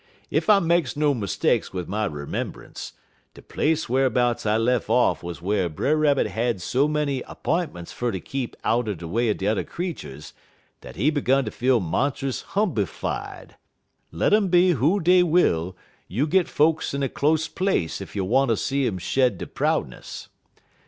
Ef I makes no mistakes wid my 'membunce, de place wharbouts I lef' off wuz whar Brer Rabbit had so many 'p'intments fer ter keep out de way er de t'er creeturs dat he 'gun ter feel monst'us humblyfied. Let um be who dey will, you git folks in a close place ef you wanter see um shed der proudness.